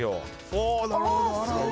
おなるほど洗う。